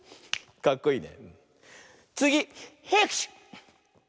かっこいいね。